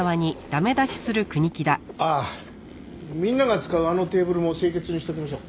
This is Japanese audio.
ああみんなが使うあのテーブルも清潔にしておきましょう。